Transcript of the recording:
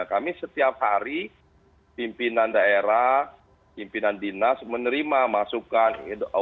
kami setiap hari pimpinan daerah pimpinan dinas menerima masukan audensi saran dan sebagainya termasuk ketik